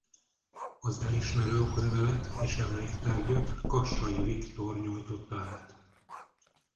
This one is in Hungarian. Az elismerő oklevelet és emléktárgyat Kassai Viktor nyújtotta át.